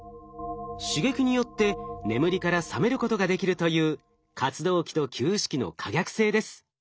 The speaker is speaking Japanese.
刺激によって眠りから覚めることができるという活動期と休止期の可逆性です。はあ。